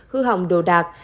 hư hỏng đồ đạc